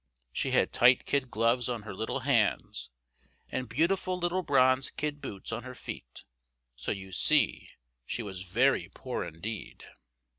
She had tight kid gloves on her little hands, and beautiful little bronze kid boots on her feet; so you see she was very poor indeed.